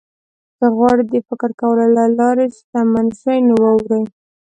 که غواړئ د فکر کولو له لارې شتمن شئ نو واورئ.